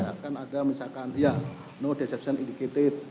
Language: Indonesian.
misalkan ada misalkan ya no deception indicated